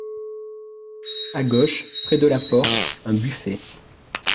À gauche, près de la porte, un buffet.